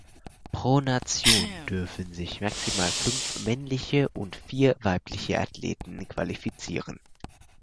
Pro Nation dürfen sich maximal fünf männliche und vier weibliche Athleten qualifizieren.